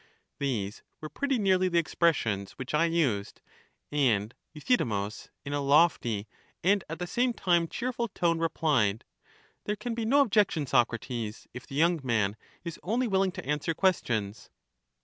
These were pretty nearly the expressions which I used; and Euthydemus, in a lofty and at the same time cheerful tone, replied: There can be no objec tion, Socrates, if the young man is only willing to answer questions.